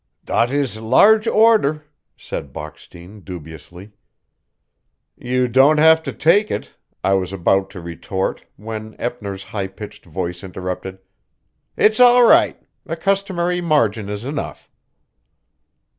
"Dot is a larch order," said Bockstein dubiously. "You don't have to take it," I was about to retort, when Eppner's high pitched voice interrupted: "It's all right. The customary margin is enough."